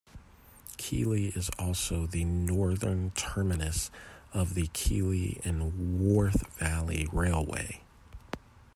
Keighley is also the northern terminus of the Keighley and Worth Valley Railway.